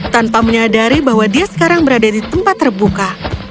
tanpa menyadari bahwa dia sekarang berada di tempat terbuka